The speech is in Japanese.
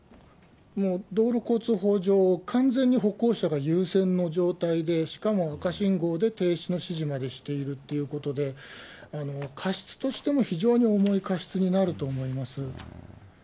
道路交通法上、完全に歩行者が優先の状態で、しかも赤信号で停止の指示までしているということで、過失としても非常に重い過失になると思います。